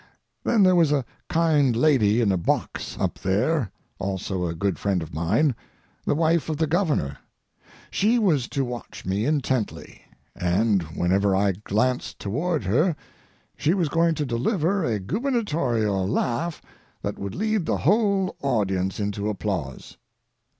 Then there was a kind lady in a box up there, also a good friend of mine, the wife of the Governor. She was to watch me intently, and whenever I glanced toward her she was going to deliver a gubernatorial laugh that would lead the whole audience into applause.